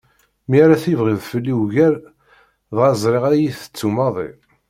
Mi ara tibɛid fell-i ugar dɣa ẓriɣ ad iyi-tettu maḍi.